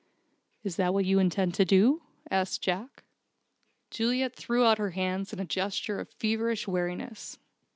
"Is that what you intend to do?" asked Jack. Juliet threw out her hands in a gesture of feverish weariness.